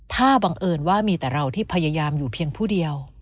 ถ้าบังเอิญว่ามีแต่เราที่พยายามอยู่เพียงผู้เดียว